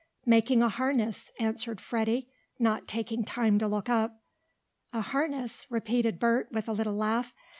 "Making a harness," answered Freddie, not taking time to look up. "A harness?" repeated Bert, with a little laugh.